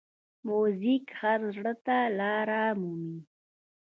موزیک هر زړه ته لاره مومي.